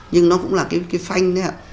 nhưng nó cũng là cái phanh đấy ạ